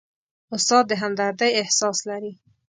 استاد د همدردۍ احساس لري.